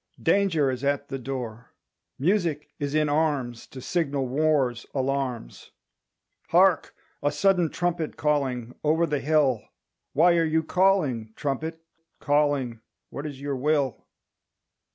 Danger is at the door. Music is in arms. To signal war's alarms, Hark, a sudden trumpet calling Over the hill Why are you calling, trumpet, calling? What is your will?